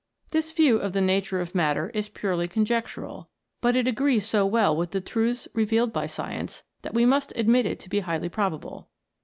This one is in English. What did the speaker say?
This view of the nature of matter is purely conjec tural, but it agrees so well with the truths revealed by Science, that we must admit it to be highly pro bable.